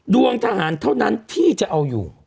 ดวงทหารเท่านั้นที่จะเอาอยู่